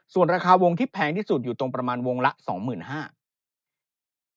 ส่วนราคาวงที่แพงที่สุดอยู่ตรงประมาณวงละ๒๕๐๐บาท